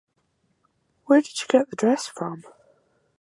Where did you get your dress from ?